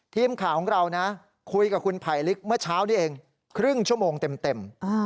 ทีมข่าวของเรานะคุยกับคุณไผลลิกเมื่อเช้านี้เองครึ่งชั่วโมงเต็ม